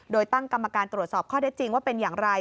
โดยตั้งกรรมการตรวจสอบข้อได้จริงว่าเป็นอย่างไร